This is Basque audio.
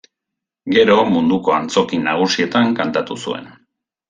Gero munduko antzoki nagusietan kantatu zuen.